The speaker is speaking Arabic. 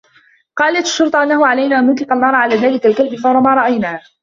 قالت الشّرطة أنّه علينا أن نطلق النّار على ذلك الكلب فور ما رأيناه.